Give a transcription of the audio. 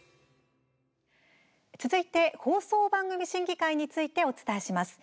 続いて、放送番組審議会についてお伝えします。